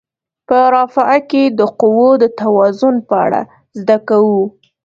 په رافعه کې د قوو د توازن په اړه زده کوو.